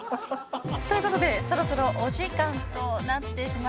ということでそろそろお時間となってしまいました。